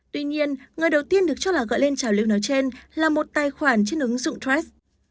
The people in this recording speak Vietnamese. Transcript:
tuy nhiên người đầu tiên được cho là gọi lên trào lưu nói trên là một tài khoản trên ứng dụng tes